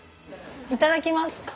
いただきます。